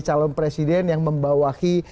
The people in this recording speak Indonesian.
calon presiden yang membawakan